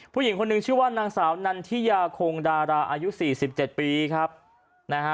ผู้หญิงคนหนึ่งชื่อว่านางสาวนันทิยาคงดาราอายุสี่สิบเจ็ดปีครับนะฮะ